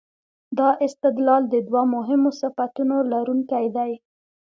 دا استدلال د دوو مهمو صفتونو لرونکی دی.